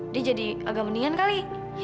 dia jadi agak mendingan kali